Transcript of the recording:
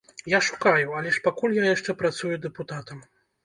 Я шукаю, але ж пакуль я яшчэ працую дэпутатам.